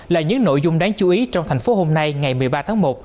là những nội dung đáng chú ý trong thành phố hôm nay ngày một mươi ba tháng một